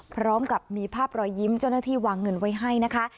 พร้อมกับมีภาพรอยยิ้มเจ้าหน้าที่วางเงินไว้ให้นะคะ